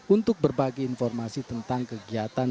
untuk berbagi informasi tentang kegiatan